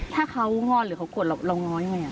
ถ้าเขางอนหรือเขาโกรธเราง้อยังไง